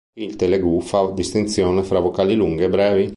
Il telugu fa distinzione tra vocali lunghe e brevi.